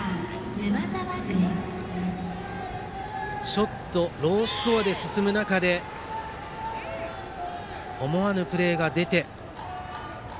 ちょっとロースコアで進む中で思わぬプレーが出た。